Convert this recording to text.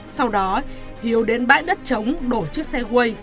sau đó hiếu đến bãi đất trống đổ chiếc xe quay